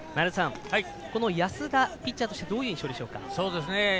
この安田、ピッチャーとしてどういう印象でしょうか？